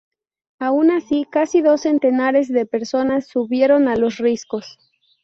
Aun así casi dos centenares de personas subieron a los Riscos.